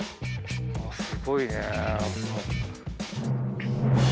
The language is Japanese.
あすごいね。